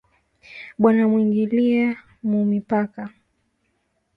Banamwingilia mu mipaka